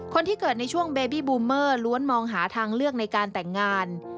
คนที่เกิดในช่วงเบบี้บูเมอร์ล้วนมองหาทางเลือกในการแต่งงาน